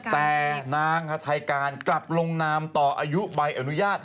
แต่นางฮาไทยการกลับลงนามต่ออายุใบอนุญาต